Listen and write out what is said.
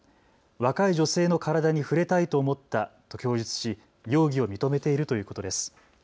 若い女性の体に触れたいと思ったと供述し容疑を認めているということです。